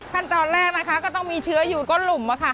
ขั้นตอนแรกนะคะก็ต้องมีเชื้ออยู่ต้นหลุม